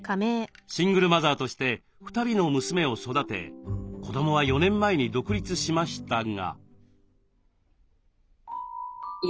シングルマザーとして２人の娘を育て子どもは４年前に独立しましたが。